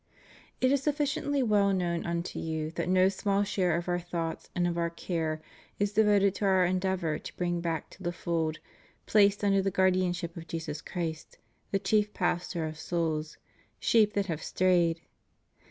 It is sufficiently well known unto you that no small share of Our thoughts and of Our care is devoted to Our endeavor to bring back to the fold, placed under the guardianship of Jesus Christ, the chief Pastor of souls, sheep that have strayed.